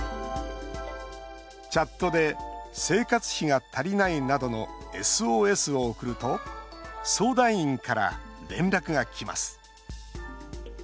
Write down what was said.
チャットで「生活費が足りない」などのＳＯＳを送ると相談員から連絡がきます。